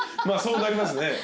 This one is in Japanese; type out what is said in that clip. まあそうなりますね。